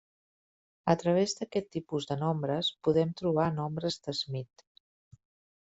A través d'aquest tipus de nombres podem trobar nombres de Smith.